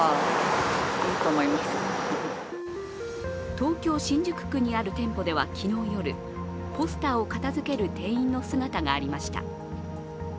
東京・新宿区にある店舗では、昨日夜ポスターを片づける店員の姿がありました。